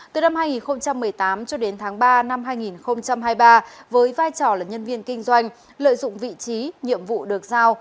từ năm hai nghìn một mươi tám cho đến tháng ba năm hai nghìn hai mươi ba với vai trò là nhân viên kinh doanh lợi dụng vị trí nhiệm vụ được giao